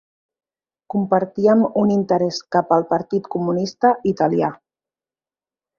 Compartíem un interès cap al Partit Comunista Italià.